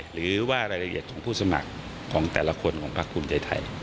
หรือว่ารายละเอียดของผู้สมัครของแต่ละคนของพักภูมิใจไทย